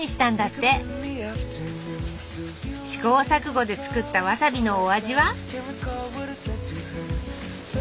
試行錯誤で作ったわさびのお味は？